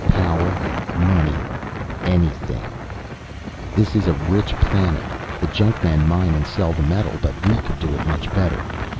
Power, money anything. "This is a rich planet. The junkmen mine and sell the metal, but we could do it much better.